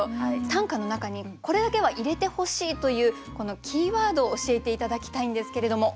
短歌の中にこれだけは入れてほしいというキーワードを教えて頂きたいんですけれども。